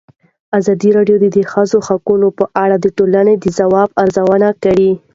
ازادي راډیو د د ښځو حقونه په اړه د ټولنې د ځواب ارزونه کړې.